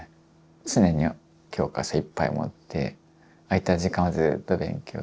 常に教科書いっぱい持って空いた時間はずっと勉強し。